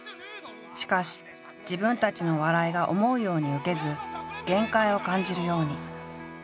しかし自分たちの笑いが思うようにウケず限界を感じるように。